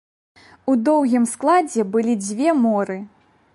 У доўгім складзе былі дзве моры.